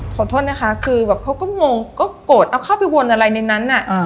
ขอโทษนะคะคือแบบเขาก็งงก็โกรธเอาเข้าไปวนอะไรในนั้น